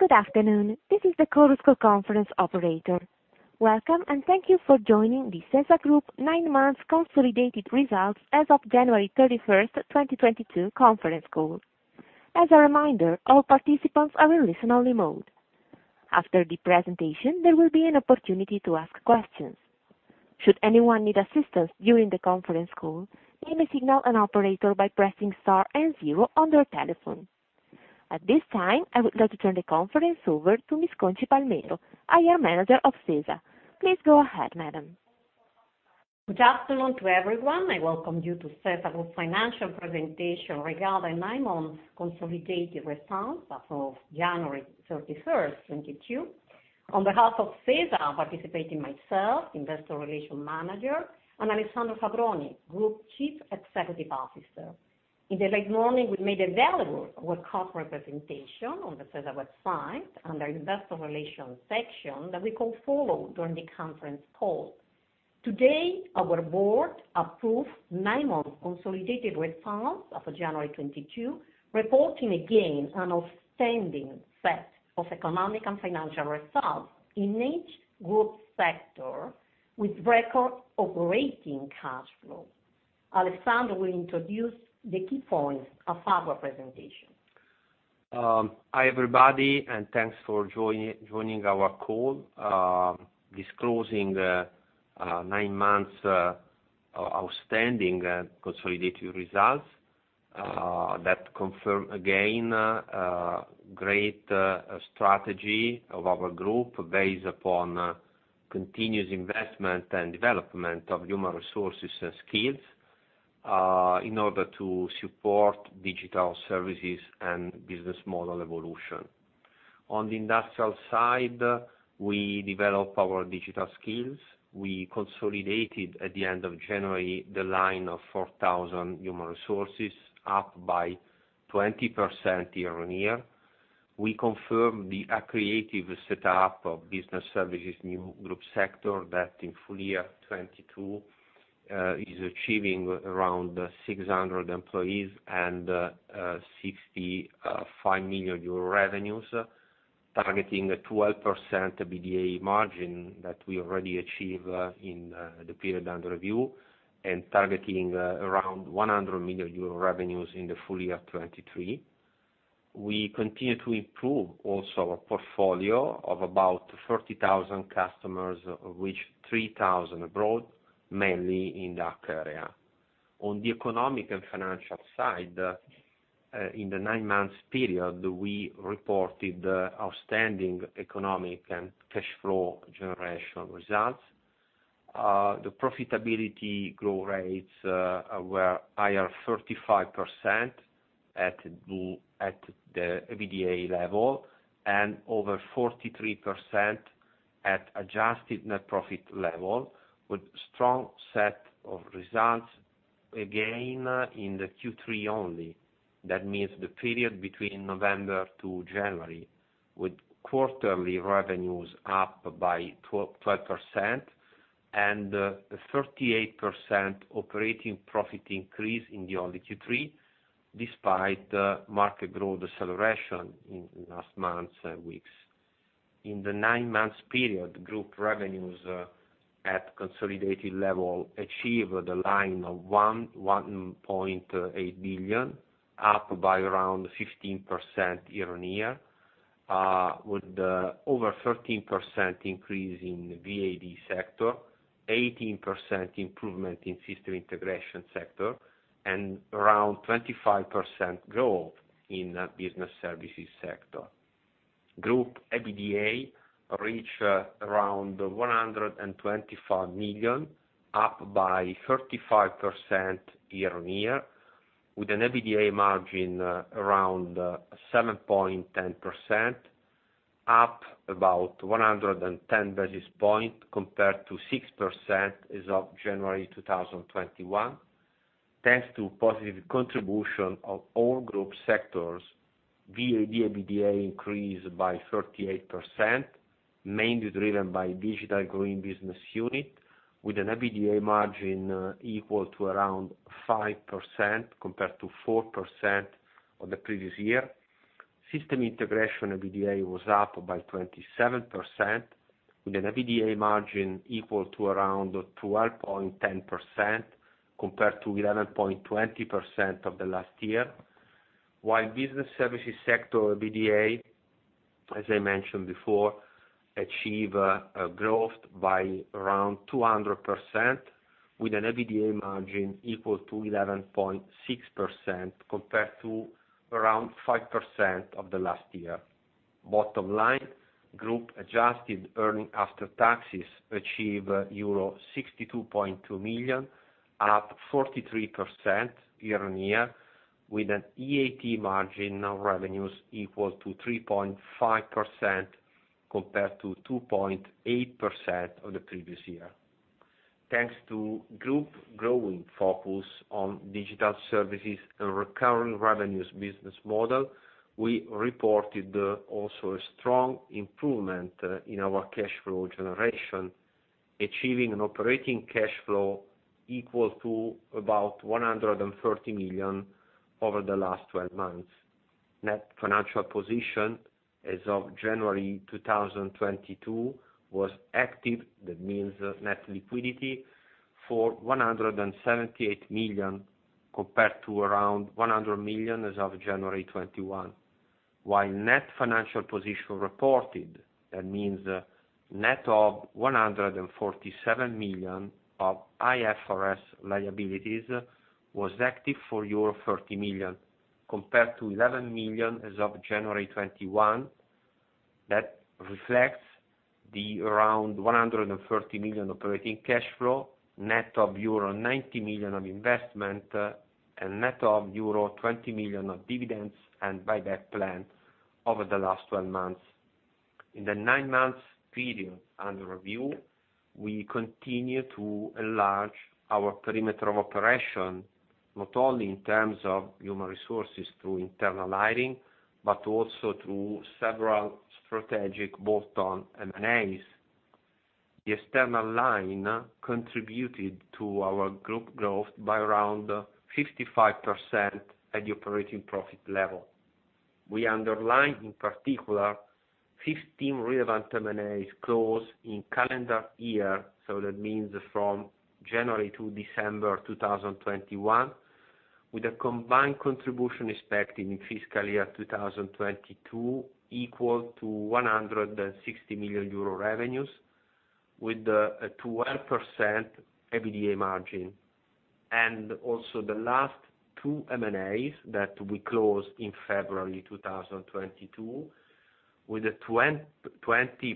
Good afternoon. This is the Chorus Call conference operator. Welcome, and thank you for joining the SeSa Group nine months consolidated results as of January 31st, 2022 conference call. As a reminder, all participants are in listen only mode. After the presentation, there will be an opportunity to ask questions. Should anyone need assistance during the conference call, they may signal an operator by pressing star and zero on their telephone. At this time, I would like to turn the conference over to Ms. Conxi Palmero, IR Manager of SeSa. Please go ahead, madam. Good afternoon to everyone. I welcome you to SeSa Group financial presentation regarding nine months consolidated results as of January 31st, 2022. On behalf of SeSa, participating myself, Investor Relations Manager, and Alessandro Fabbroni, Group Chief Executive Officer. In the late morning, we made available our conference presentation on the sesa website under Investor Relations section that we can follow during the conference call. Today, our board approved nine months consolidated results as of January 2022, reporting again an outstanding set of economic and financial results in each group sector with record operating cash flow. Alessandro will introduce the key points of our presentation. Hi, everybody, and thanks for joining our call disclosing the nine months outstanding consolidated results that confirm again great strategy of our group based upon continuous investment and development of human resources and skills in order to support digital services and business model evolution. On the industrial side, we develop our digital skills. We consolidated at the end of January the line of 4,000 human resources, up by 20% year-on-year. We confirm the accretive setup of Business Services new group sector that in full year 2022 is achieving around 600 employees and 65 million euro revenues, targeting a 12% EBITDA margin that we already achieve in the period under review, and targeting around 100 million euro revenues in the full year 2023. We continue to improve also our portfolio of about 30,000 customers, of which 3,000 abroad, mainly in DACH area. On the economic and financial side, in the nine-month period, we reported outstanding economic and cash flow generation results. The profitability growth rates were higher 35% at the EBITDA level and over 43% at adjusted net profit level with strong set of results again in the Q3 only. That means the period between November to January, with quarterly revenues up by 12.5% and 38% operating profit increase in the only Q3, despite market growth deceleration in last months and weeks. In the nine-month period, group revenues at consolidated level achieved 1.8 billion, up by around 15% year-on-year, with over 13% increase in VAD sector, 18% improvement in system integration sector and around 25% growth in business services sector. Group EBITDA reach around 125 million, up by 35% year-on-year, with an EBITDA margin around 7.10%, up about 110 basis points compared to 6% as of January 2021. Thanks to positive contribution of all group sectors, VAD EBITDA increased by 38%, mainly driven by digital growing business unit, with an EBITDA margin equal to around 5% compared to 4% of the previous year. System integration EBITDA was up by 27%, with an EBITDA margin equal to around 12.10% compared to 11.20% of the last year. While business services sector EBITDA, as I mentioned before, achieved a growth by around 200% with an EBITDA margin equal to 11.6% compared to around 5% of the last year. Bottom line, group adjusted earnings after taxes achieved euro 62.2 million, up 43% year-on-year, with an EAT margin of revenues equal to 3.5% compared to 2.8% of the previous year. Thanks to group growing focus on digital services and recurring revenues business model, we reported also a strong improvement in our cash flow generation. Achieving an operating cash flow equal to about 130 million over the last 12 months. Net financial position as of January 2022 was active, that means net liquidity for 178 million compared to around 100 million as of January 2021. While net financial position reported, that means net of 147 million of IFRS liabilities, was active for 30 million compared to 11 million as of January 2021. That reflects the around 130 million operating cash flow, net of euro 90 million of investment, and net of euro 20 million of dividends and buyback plan over the last 12 months. In the nine months period under review, we continue to enlarge our perimeter of operation, not only in terms of human resources through internal hiring, but also through several strategic bolt-on M&As. The external line contributed to our group growth by around 55% at the operating profit level. We underline, in particular, 15 relevant M&As closed in calendar year, so that means from January to December 2021, with a combined contribution expected in fiscal year 2022 equal to 160 million euro revenues with a 12% EBITDA margin. Also the last two M&As that we closed in February 2022 with a 20%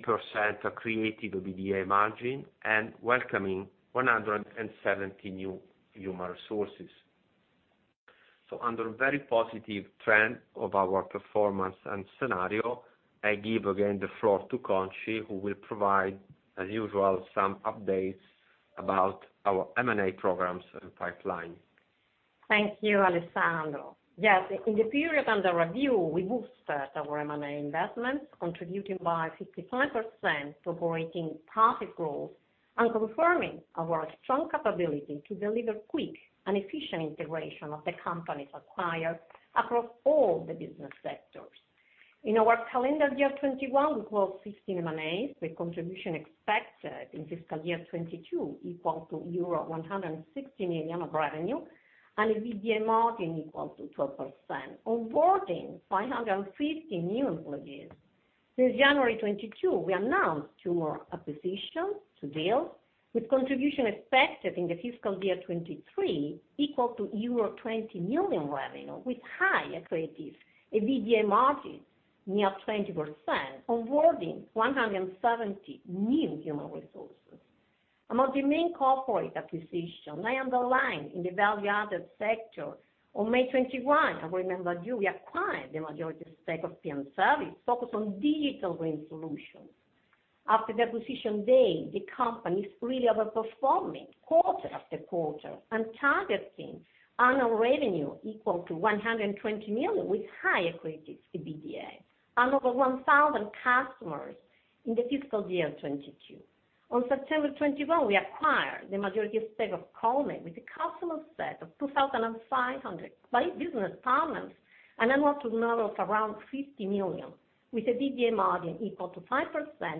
accretive EBITDA margin and welcoming 170 new human resources. Under very positive trend of our performance and scenario, I give again the floor to Conxi, who will provide, as usual, some updates about our M&A programs and pipeline. Thank you, Alessandro. Yes, in the period under review, we boosted our M&A investments, contributing by 55% to operating profit growth and confirming our strong capability to deliver quick and efficient integration of the companies acquired across all the business sectors. In our calendar year 2021, we closed 16 M&As, with contribution expected in fiscal year 2022 equal to euro 160 million of revenue and EBITDA margin equal to 12%, onboarding 550 new employees. Since January 2022, we announced two more acquisitions with total contribution expected in the fiscal year 2023 equal to euro 20 million revenue, with high accretive EBITDA margin near 20%, onboarding 170 new human resources. Among the main corporate acquisitions, I underline in the value added sector, on May 21, I remind you, we acquired the majority stake of P.M. Service focused on Digital Green solutions. After the acquisition day, the company is really overperforming quarter after quarter and targeting annual revenue equal to 120 million, with high accretive EBITDA and over 1,000 customers in the fiscal year 2022. On September 21, we acquired the majority stake of Commit with a customer set of 2,500 business partners, an annual turnover of around 50 million, with an EBITDA margin equal to 5%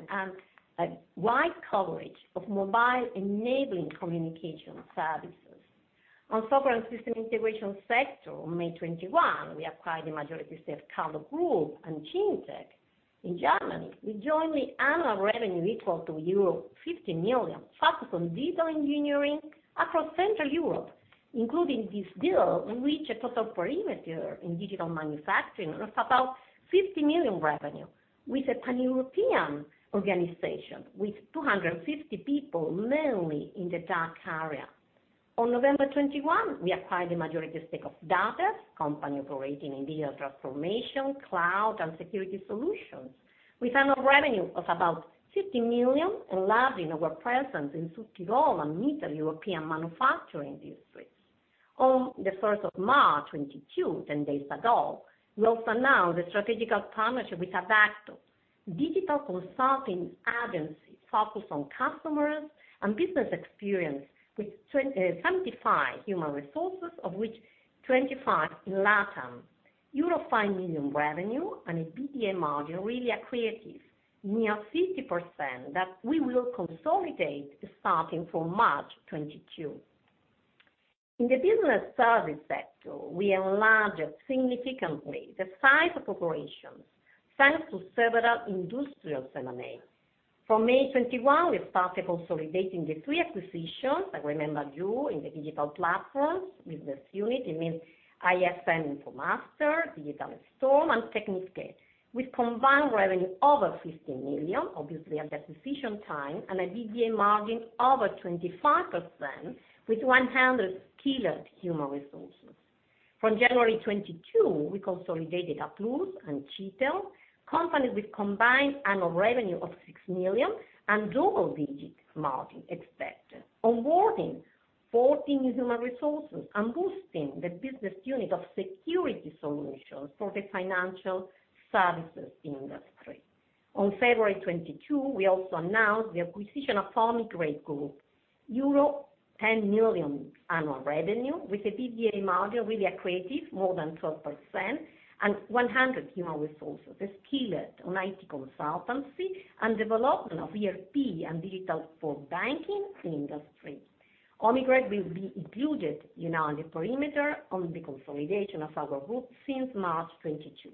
and a wide coverage of mobile enabling communication services. On Software and System Integration sector, on May 21, we acquired the majority stake of Kallideas Group and Quence. In Germany, we acquired a company with annual revenue equal to euro 50 million, focused on digital engineering across Central Europe. Including this deal, we reach a total perimeter in digital manufacturing of about 50 million revenue, with a pan-European organization with 250 people, mainly in the DACH area. On November 21, we acquired the majority stake of Datef, company operating in digital transformation, cloud and security solutions, with annual revenue of about 50 million, enlarging our presence in Südtirol and Middle European manufacturing industries. On the 1st of March 2022, 10 days ago, we also announced a strategic partnership with Adacto, digital consulting agency focused on customers and business experience with 275 human resources, of which 25 in LATAM, euro 5 million revenue and a EBITDA margin really accretive, near 50% that we will consolidate starting from March 2022. In the Business Services sector, we enlarged significantly the size of operations, thanks to several industrial M&As. From May 2021, we started consolidating the three acquisitions, I remember you, in the digital platforms business unit, it means IFM Infomaster, Digital Storm and Tecnikè, with combined revenue over 50 million, obviously at acquisition time, and an EBITDA margin over 25% with 100 skilled human resources. From January 2022, we consolidated A Plus and Citel, companies with combined annual revenue of 6 million and double-digit margin expected, onboarding 40 new human resources and boosting the business unit of security solutions for the financial services industry. On February 2022, we also announced the acquisition of Omigrade Group, euro 10 million annual revenue with an EBITDA margin accretive more than 12% and 100 human resources skilled in IT consultancy and development of ERP and digital for banking and industry. Omigrade will be included in our perimeter on the consolidation of our group since March 2022.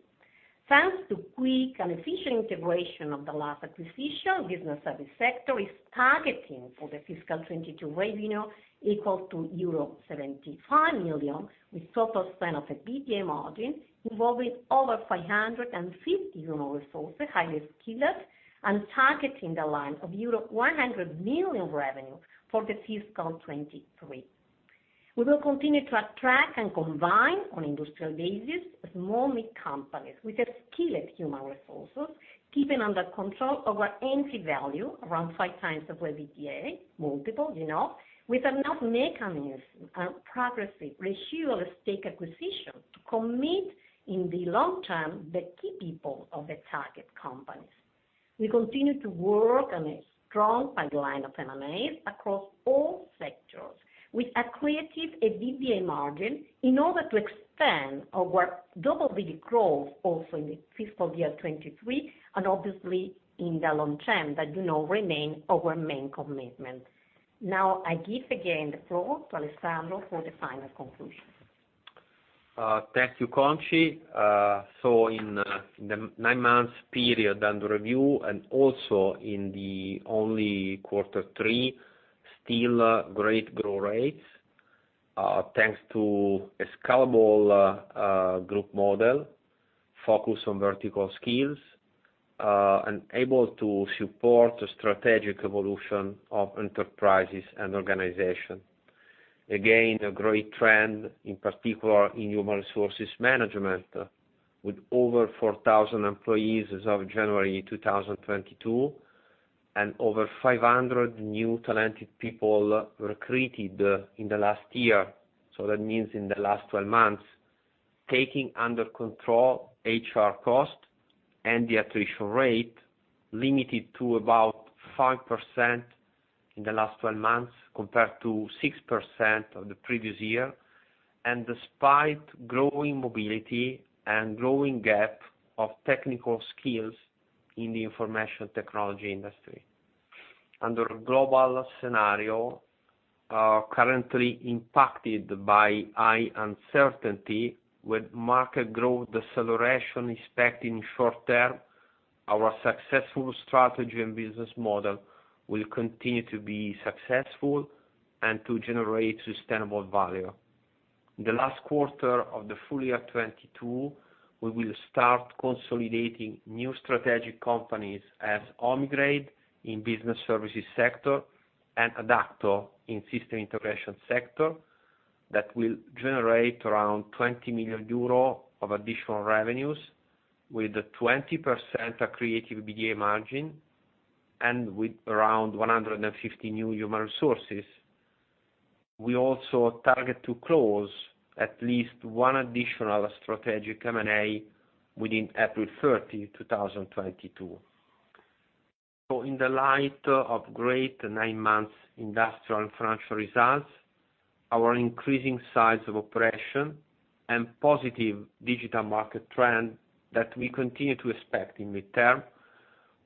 Thanks to quick and efficient integration of the last acquisition, Business Services sector is targeting for the fiscal 2022 revenue equal to euro 75 million, with a target EBITDA margin, involving over 550 human resources, highly skilled, and targeting the top line of euro 100 million revenue for the fiscal 2023. We will continue to attract and combine on industrial basis small mid companies with skilled human resources, keeping under control our entry value around 5x EBITDA multiple, you know, with earn-out mechanism and progressive ratio of stake acquisition to commit in the long term the key people of the target companies. We continue to work on a strong pipeline of M&As across all sectors with accretive EBITDA margin in order to expand our double-digit growth also in the fiscal year 2023, and obviously in the long term that, you know, remain our main commitment. Now I give again the floor to Alessandro for the final conclusion. Thank you, Conxi. In the nine-month period under review and also in quarter three only, still great growth rates, thanks to a scalable group model focused on vertical skills and able to support the strategic evolution of enterprises and organization. Again, a great trend, in particular in human resources management, with over 4,000 employees as of January 2022, and over 500 new talented people recruited in the last year. That means in the last 12 months, taking under control HR cost and the attrition rate limited to about 5% in the last 12 months, compared to 6% of the previous year. Despite growing mobility and growing gap of technical skills in the information technology industry. Under global scenario, currently impacted by high uncertainty with market growth deceleration expected in short term, our successful strategy and business model will continue to be successful and to generate sustainable value. The last quarter of the full year 2022, we will start consolidating new strategic companies as Omigrade in Business Services sector and Adacto in system integration sector that will generate around 20 million euro of additional revenues with a 20% accretive EBITDA margin and with around 150 new human resources. We also target to close at least one additional strategic M&A within April 30, 2022. In the light of great nine months industrial and financial results, our increasing size of operation and positive digital market trend that we continue to expect in midterm,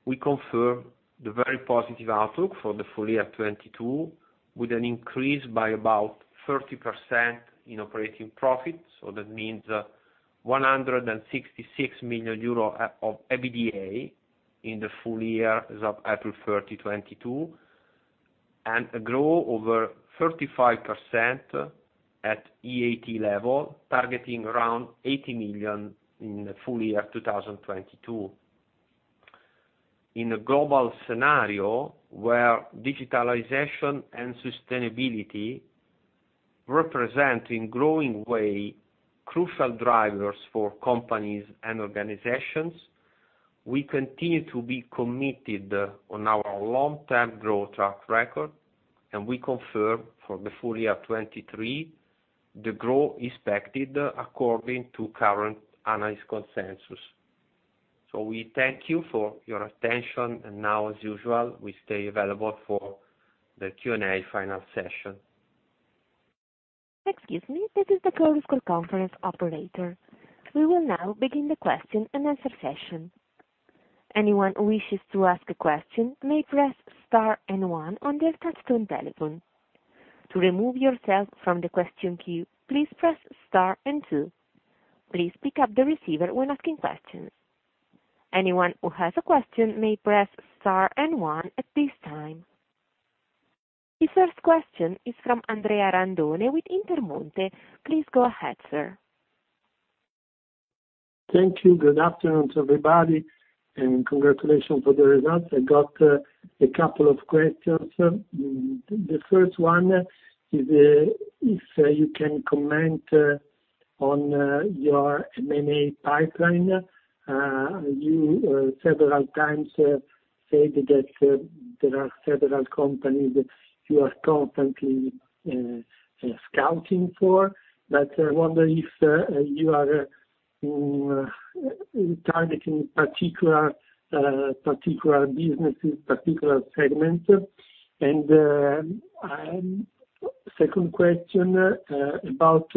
we confirm the very positive outlook for the full year 2022, with an increase by about 30% in operating profit. That means 166 million euro of EBITDA in the full year as of April 30, 2022, and a growth over 35% at EAT level, targeting around 80 million in the full year 2022. In a global scenario where digitalization and sustainability represent, in growing way, crucial drivers for companies and organizations, we continue to be committed on our long term growth track record, and we confirm for the full year 2023 the growth expected according to current analyst consensus. We thank you for your attention. Now, as usual, we stay available for the Q&A final session. Excuse me. This is the Chorus Call conference operator. We will now begin the question-and-answer session. Anyone who wishes to ask a question may press star and one on their touch-tone telephone. To remove yourself from the question queue, please press star and two. Please pick up the receiver when asking questions. Anyone who has a question may press star and one at this time. The first question is from Andrea Randone with Intermonte. Please go ahead, sir. Thank you. Good afternoon, everybody, and congratulations for the results. I got a couple of questions. The first one is if you can comment on your M&A pipeline. You several times have said that there are several companies you are constantly scouting for. But I wonder if you are targeting particular businesses, particular segments? Second question about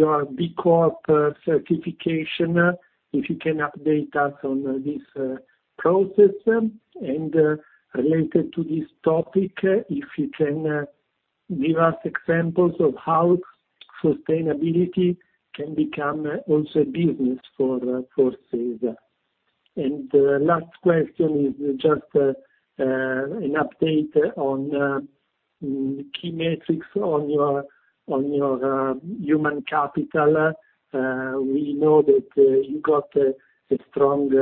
your B Corp certification, if you can update us on this process? Related to this topic, if you can give us examples of how sustainability can become also business for SeSa? Last question is just an update on key metrics on your human capital. We know that you got a strong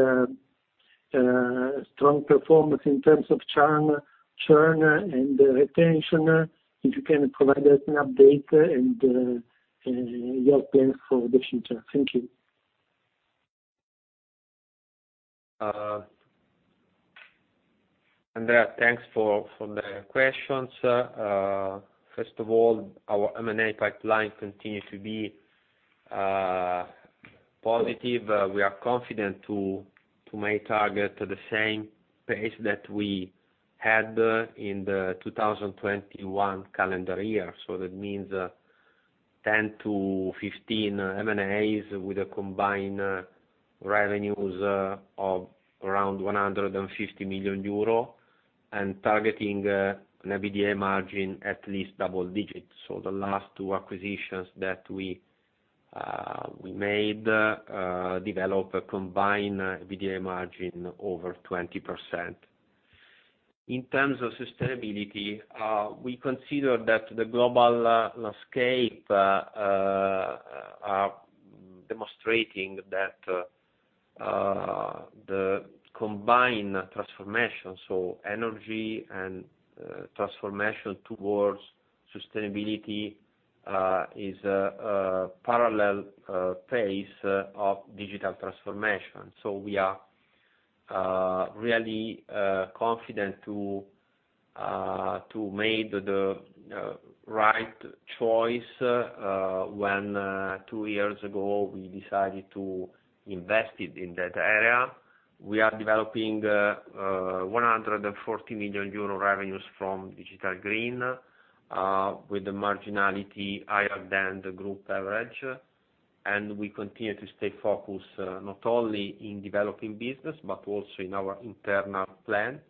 performance in terms of churn and retention. If you can provide us an update and your plans for the future? Thank you. Andrea, thanks for the questions. First of all, our M&A pipeline continues to be positive. We are confident to make target at the same pace that we had in the 2021 calendar year. That means 10-15 M&As with combined revenues of around 150 million euro, and targeting an EBITDA margin at least double digits. The last two acquisitions that we made develop a combined EBITDA margin over 20%. In terms of sustainability, we consider that the global landscape are demonstrating that the combined transformation, so energy and transformation towards sustainability, is a parallel phase of digital transformation. We are really confident to make the right choice when two years ago we decided to invest it in that area. We are developing 140 million euro revenues from Digital Green with the marginality higher than the group average. We continue to stay focused not only in developing business, but also in our internal plan.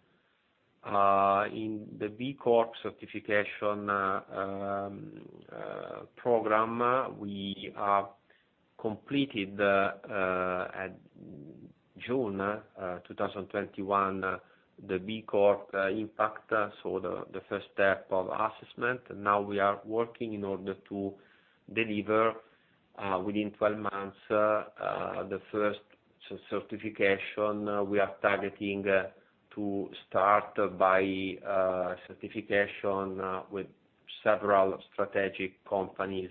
In the B Corp certification program, we have completed at June 2021 the B Corp impact. The first step of assessment. Now we are working in order to deliver within 12 months the first certification. We are targeting to start by certification with several strategic companies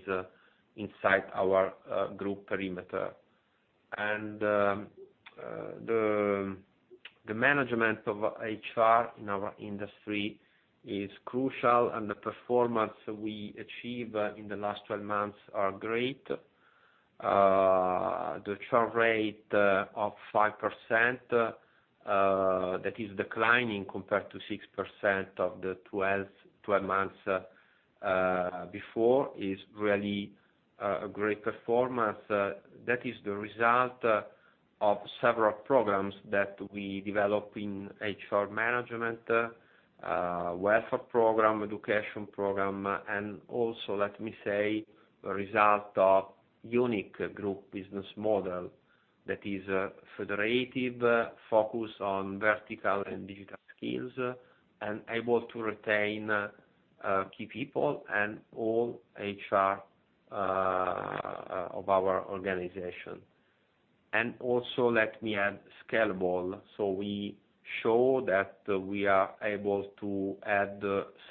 inside our group perimeter. The management of HR in our industry is crucial, and the performance we achieved in the last 12 months are great. The churn rate of 5%, that is declining compared to 6% of the 12 months before, is really a great performance. That is the result of several programs that we develop in HR management, welfare program, education program, and also, let me say, a result of unique group business model that is federative, focused on vertical and digital skills, and able to retain key people and all HR of our organization. Let me add scalable. We show that we are able to add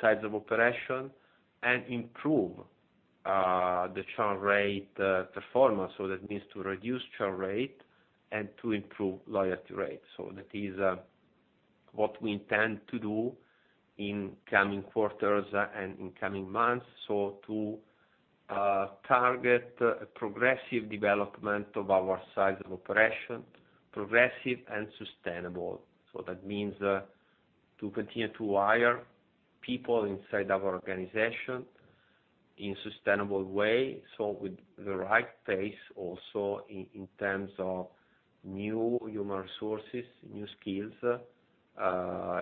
size of operation and improve the churn rate performance. That means to reduce churn rate and to improve loyalty rate. That is what we intend to do in coming quarters and in coming months. To target progressive development of our size of operation, progressive and sustainable. That means to continue to hire people inside our organization in sustainable way, so with the right pace also in terms of new human resources, new skills,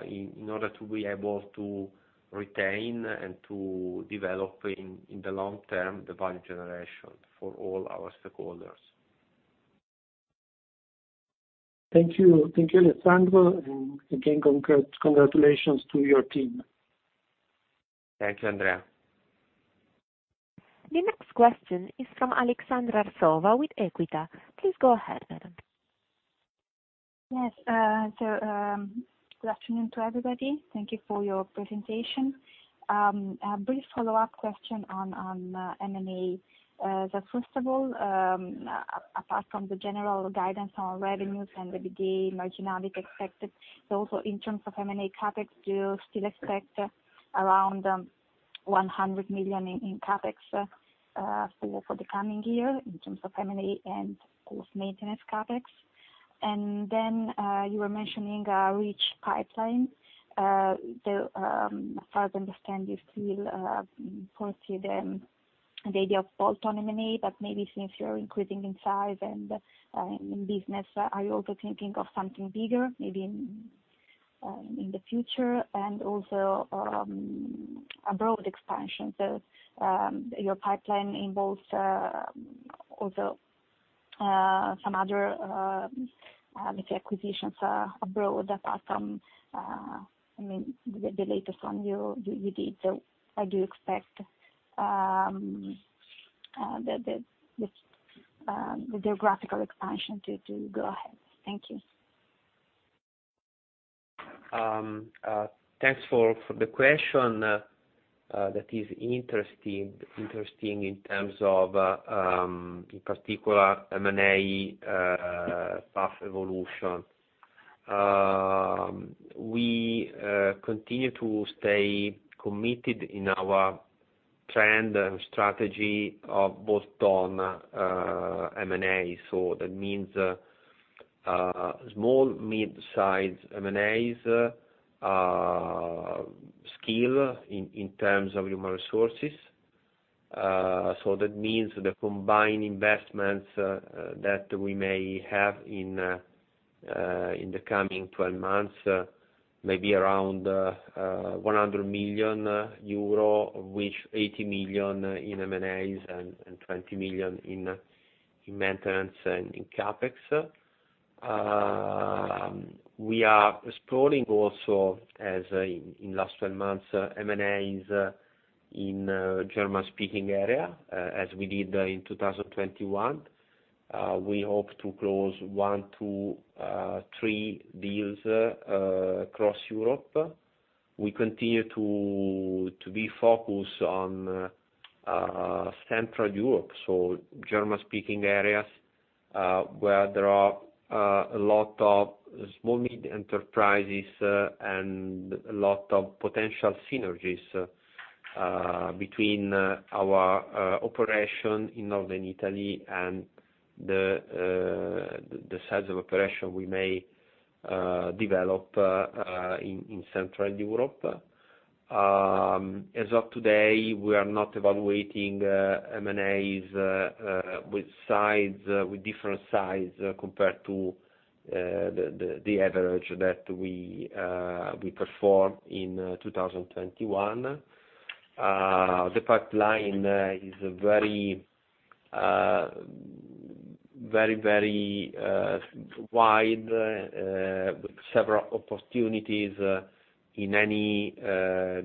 in order to be able to retain and to develop in the long term, the value generation for all our stakeholders. Thank you. Thank you, Alessandro, and again, congrats, congratulations to your team. Thank you, Andrea. The next question is from Aleksandra Arsova with EQUITA. Please go ahead, madam. Good afternoon to everybody. Thank you for your presentation. A brief follow-up question on M&A. First of all, apart from the general guidance on revenues and the EBITDA marginality expected, also in terms of M&A CapEx, do you still expect around 100 million in CapEx for the coming year in terms of M&A and maintenance CapEx? Then, you were mentioning a rich pipeline. As far as I understand, you still foresee the idea of bolt-on M&A, but maybe since you are increasing in size and in business, are you also thinking of something bigger maybe in the future? Also, abroad expansion. Your pipeline involves also some other maybe acquisitions abroad, apart from, I mean, the latest one you did. I do expect the geographical expansion to go ahead. Thank you. Thanks for the question. That is interesting in terms of in particular M&A path evolution. We continue to stay committed in our trend and strategy of bolt-on M&A. That means small, mid-size M&As scale in terms of human resources. That means the combined investments that we may have in the coming 12 months may be around 100 million euro, which 80 million in M&As and 20 million in maintenance and CapEx. We are exploring also as in last 12 months M&As in German-speaking area as we did in 2021. We hope to close one to three deals across Europe. We continue to be focused on Central Europe, so German-speaking areas, where there are a lot of small, mid enterprises, and a lot of potential synergies between our operation in Northern Italy and the size of operation we may develop in Central Europe. As of today, we are not evaluating M&As with size with different size compared to the average that we performed in 2021. The pipeline is very wide with several opportunities in any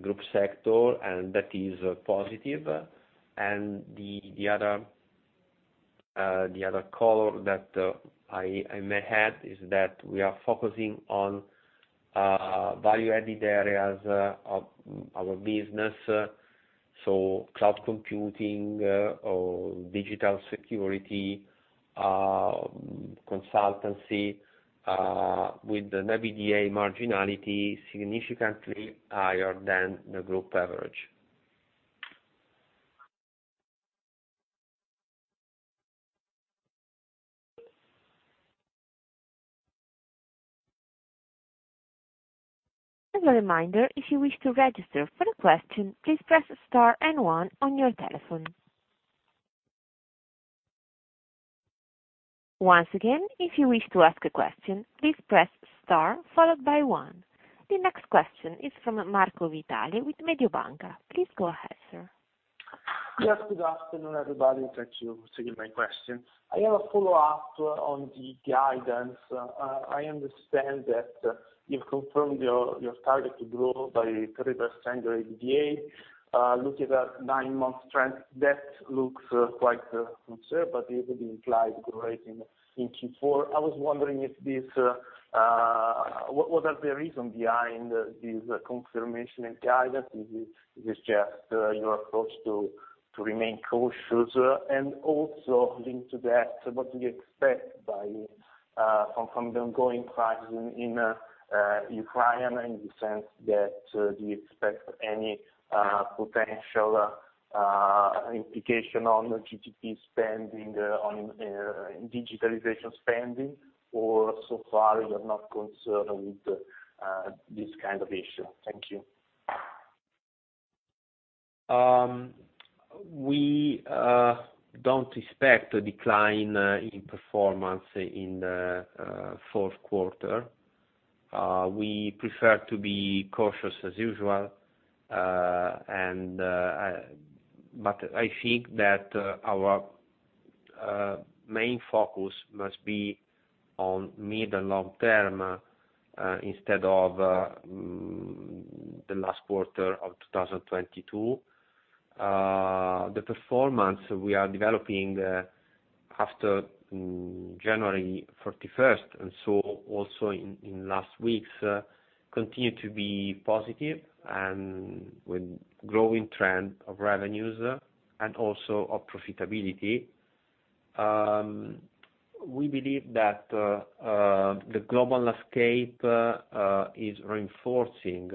group sector, and that is positive. The other color that I may add is that we are focusing on value-added areas of our business, so cloud computing or digital security, consultancy, with an EBITDA marginality significantly higher than the group average. The next question is from Marco Vitale with Mediobanca. Please go ahead, sir. Yes, good afternoon, everybody. Thank you for taking my question. I have a follow-up on the guidance. I understand that you've confirmed your target to grow by 30% your EBITDA. Looking at nine-month trend, that looks quite conservative, but it would imply growth rate in Q4. I was wondering what are the reason behind this confirmation and guidance? Is it just your approach to remain cautious? Also linked to that, what do you expect from the ongoing crisis in Ukraine, in the sense that do you expect any potential implication on IT spending on digitalization spending? Or so far, you're not concerned with this kind of issue? Thank you. We don't expect a decline in performance in fourth quarter. We prefer to be cautious as usual. I think that our main focus must be on mid and long term instead of the last quarter of 2022. The performance we are developing after January 31st, and so also in last weeks, continue to be positive and with growing trend of revenues and also of profitability. We believe that the global landscape is reinforcing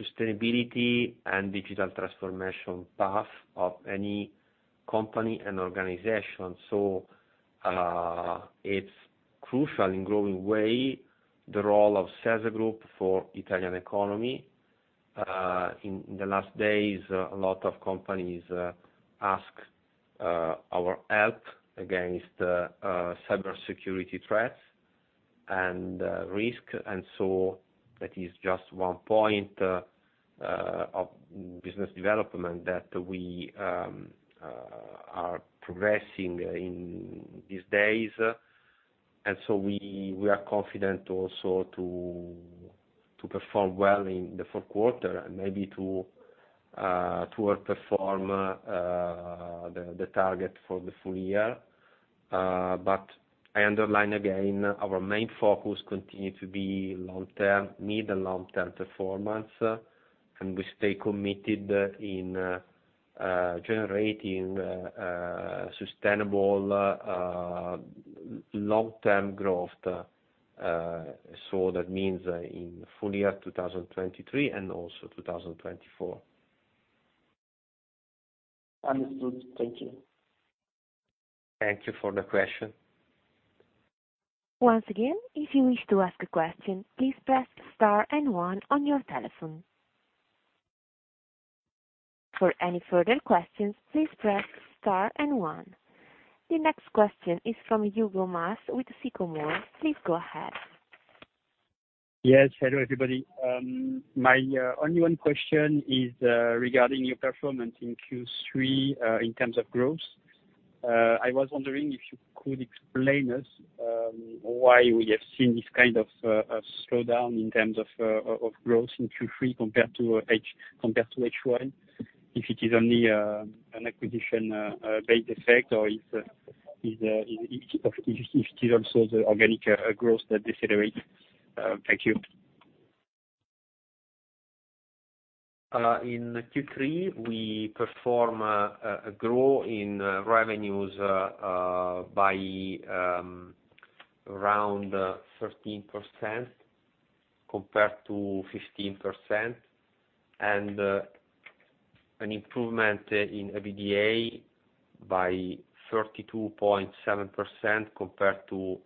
sustainability and digital transformation path of any company and organization. It's crucial in growing way the role of SeSa Group for Italian economy. In the last days, a lot of companies asked our help against cybersecurity threats and risk. That is just one point of business development that we are progressing in these days. We are confident also to perform well in the fourth quarter and maybe to outperform the target for the full year. But I underline again, our main focus continue to be long-term, mid and long-term performance, and we stay committed in generating sustainable long-term growth. That means in full year, 2023 and also 2024. Understood. Thank you. Thank you for the question. Once again, if you wish to ask a question, please press star and one on your telephone. For any further questions, please press star and one. The next question is from Hugo Mas with Sycomore. Please go ahead. Yes. Hello, everybody. My only one question is regarding your performance in Q3 in terms of growth. I was wondering if you could explain us why we have seen this kind of slowdown in terms of growth in Q3 compared to H1, if it is only an acquisition based effect or if it is also the organic growth that decelerates? Thank you. In Q3, revenues grew by around 13% compared to 15%, and an improvement in EBITDA by 32.7% compared to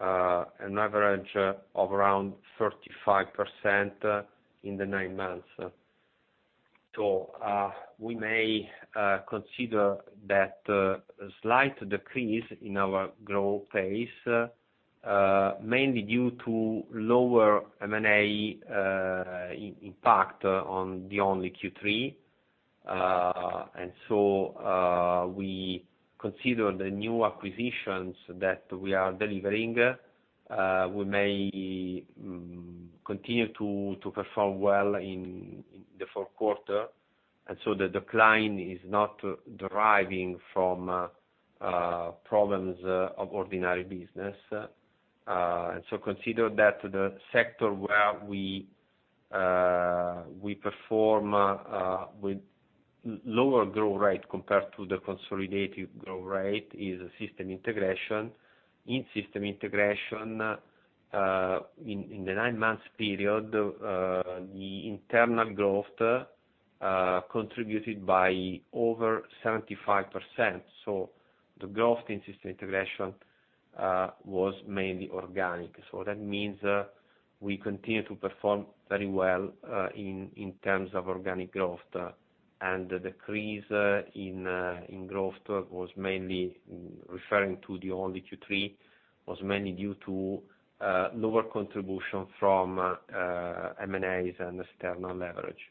an average of around 35% in the nine months. We may consider that slight decrease in our growth pace mainly due to lower M&A impact on only Q3. We consider the new acquisitions that we are delivering may continue to perform well in the fourth quarter. The decline is not deriving from problems of ordinary business. Consider that the sector where we perform with lower growth rate compared to the consolidated growth rate is system integration. In System Integration, the nine months period, the internal growth contributed by over 75%. The growth in System Integration was mainly organic. That means we continue to perform very well in terms of organic growth. The decrease in growth was mainly referring to the only Q3, was mainly due to lower contribution from M&As and external leverage.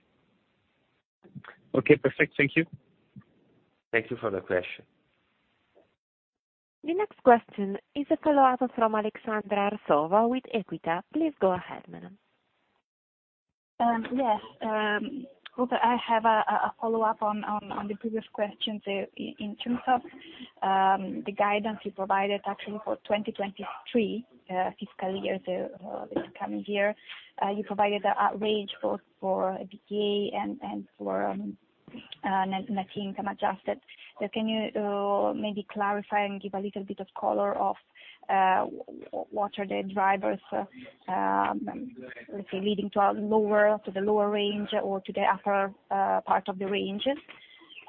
Okay, perfect. Thank you. Thank you for the question. The next question is a follow-up from Aleksandra Arsova with EQUITA. Please go ahead, madam. Yes. I hope I have a follow-up on the previous questions in terms of the guidance you provided actually for 2023 fiscal year, this coming year. You provided a range both for EBITDA and for net income adjusted. Can you maybe clarify and give a little bit of color on what are the drivers, let's say, leading to the lower range or to the upper part of the range?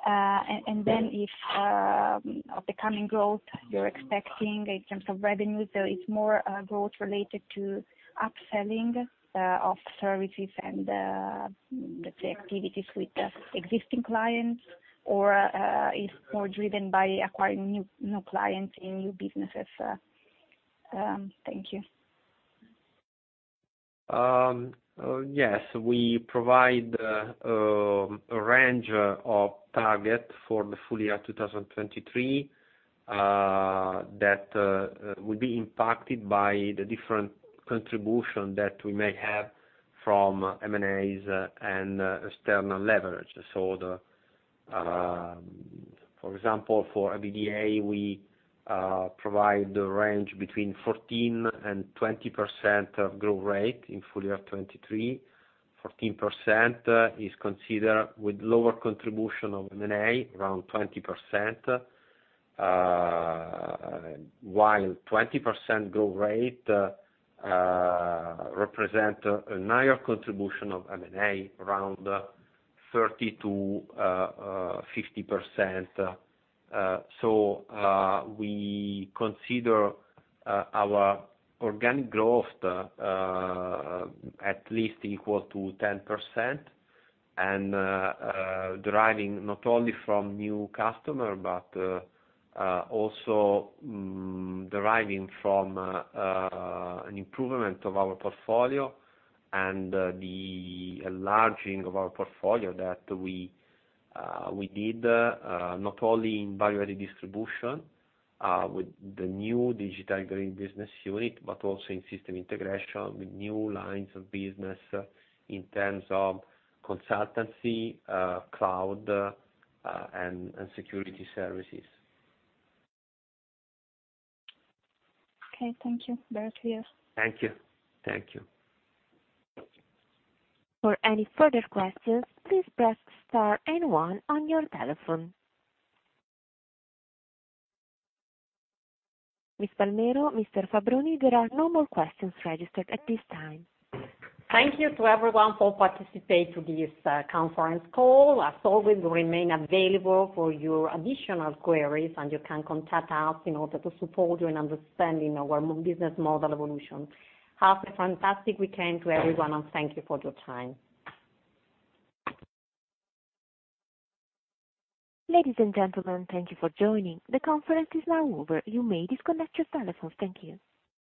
And then, in terms of the coming growth you're expecting in terms of revenue, so it's more growth related to upselling of services and, let's say, activities with existing clients, or is more driven by acquiring new clients in new businesses? Thank you. Yes, we provide a range of target for the full year 2023 that will be impacted by the different contribution that we may have from M&As and external leverage. For example, for EBITDA, we provide the range between 14% and 20% of growth rate in full year 2023. 14% is considered with lower contribution of M&A, around 20%. While 20% growth rate represent a higher contribution of M&A, around 30%-50%. We consider our organic growth at least equal to 10%. Deriving not only from new customer, but also from an improvement of our portfolio and the enlarging of our portfolio that we did, not only in value-added distribution with the new Digital Green business unit, but also in system integration with new lines of business in terms of consultancy, cloud, and security services. Okay. Thank you. Very clear. Thank you. Thank you. For any further questions, please press star and one on your telephone. Ms. Conxi Palmero, Mr. Fabbroni, there are no more questions registered at this time. Thank you to everyone for participate to this conference call. As always, we remain available for your additional queries, and you can contact us in order to support you in understanding our business model evolution. Have a fantastic weekend to everyone, and thank you for your time. Ladies and gentlemen, thank you for joining. The conference is now over. You may disconnect your telephones. Thank you.